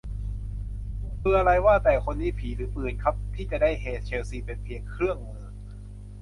คือไรอ่ะ ว่าแต่ คนนี้ผีหรือปืนครับ ที่จะได้เฮ ? เชลซีเป็นเพียงเครื่องมือ !